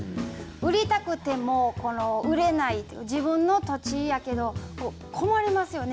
売りたくても売れないという自分の土地やけど困りますよね。